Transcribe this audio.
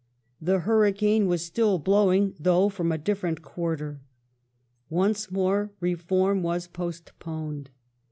The hurricane was still blowing, though from a different quarter. Once more reform was postponed.